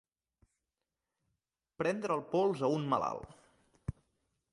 Prendre el pols a un malalt.